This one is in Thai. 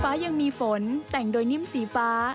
ฟ้ายังมีฝนแต่งโดยนิ่มสีฟ้า